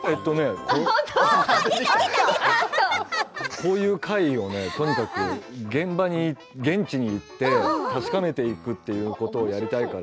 こういう怪異を現地に行って確かめていくということをやりたい